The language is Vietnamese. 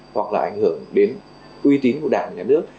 hoặc là ảnh hưởng đến uy tín của đảng nhà nước